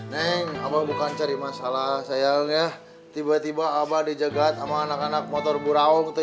neng abah bukan cari masalah sayang ya tiba tiba abah dijagat sama anak anak motor buraung tuh